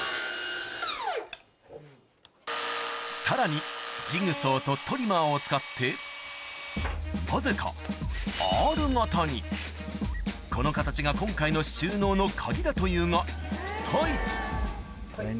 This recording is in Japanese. さらにジグソーとトリマーを使ってなぜかこの形が今回の収納の鍵だというが一体？